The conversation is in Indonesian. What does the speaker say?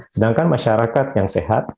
sedangkan masyarakat yang sehat